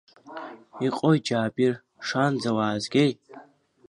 Иҟои Џьаабир, шаанӡа уаазгеи?